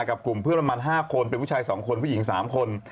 กับกลุ่มเพื่อนประมาณ๕คนเป็นผู้ชาย๒คนผู้หญิง๓คน